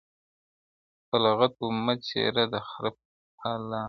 په لغتو مه څیره د خره پالانه؛